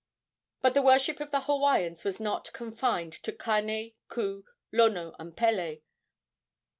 But the worship of the Hawaiians was not confined to Kane, Ku, Lono and Pele.